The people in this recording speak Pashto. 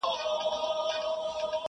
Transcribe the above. خر چي هر کله چمونه کړي د سپیو؛